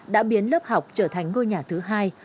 đã biến lớp học trở thành ngôi nhà thứ hai